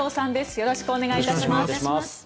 よろしくお願いします。